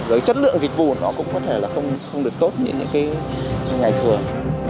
với chất lượng dịch vụ nó cũng có thể là không được tốt như những cái ngày thường